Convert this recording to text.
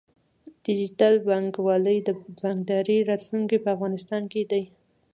ډیجیټل بانکوالي د بانکدارۍ راتلونکی په افغانستان کې دی۔